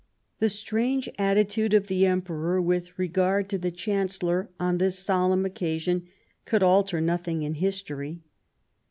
The strange attitude of the Emperor with regard to the Chancellor on this solemn occasion could alter nothing in history.